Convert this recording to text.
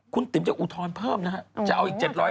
คุณติ๋มจะอุทธรณเพิ่มนะคะจะเอาอีก๗๐๐ล้านบอก